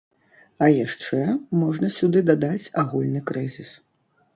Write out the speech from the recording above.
А яшчэ можна сюды дадаць агульны крызіс.